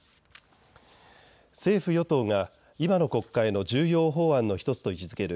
政府与党が今の国会の重要法案の１つと位置づける